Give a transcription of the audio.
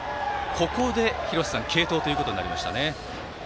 ここで、継投ということになりましたね。